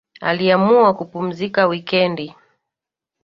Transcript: Aliamua kupumzika wikendi